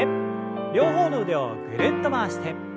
両方の腕をぐるっと回して。